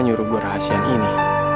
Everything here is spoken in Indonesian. nyuruh gue rahasian ini